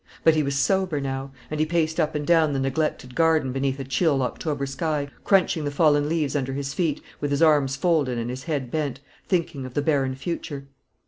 But he was sober now; and he paced up and down the neglected garden beneath a chill October sky, crunching the fallen leaves under his feet, with his arms folded and his head bent, thinking of the barren future.